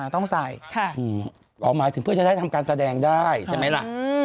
ต้องใส่อ๋อหมายถึงเพื่อจะได้ทำการแสดงได้ใช่ไหมล่ะ